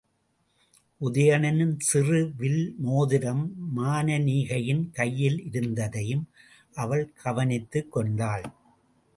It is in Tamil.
உதயணனின் சிறு விரல் மோதிரம் மானனீகையின் கையில் இருந்ததையும் அவள் கவனித்துக் கொண்டாள்.